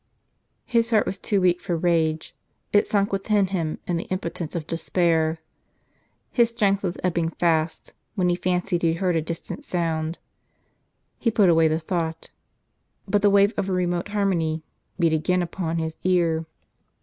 His heart was too weak for rage ; it sunk within him in the impotence of despair. His strength was ebbing fast, when he fancied he heard a distant sound. He put away the thought ; but the wave of a remote harmony beat again upon his ear.